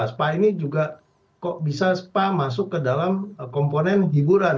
spa ini juga kok bisa spa masuk ke dalam komponen hiburan